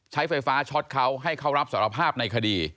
ใช้ไฟฟ้าช็อตเขาให้เขารับสารภาพในคดี